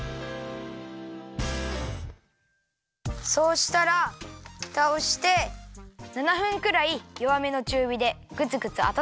そうしたらふたをして７分くらいよわめのちゅうびでグツグツあたためるよ。